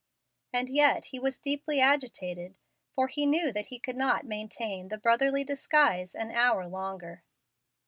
And yet he was deeply agitated, for he knew that he could not maintain the brotherly disguise an hour longer.